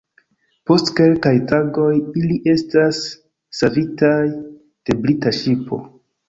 Post kelkaj tagoj, ili estas savitaj de brita ŝipo.